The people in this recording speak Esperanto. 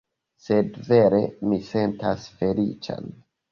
Sed vere mi sentas feliĉan